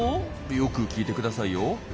よく聞いてくださいよ。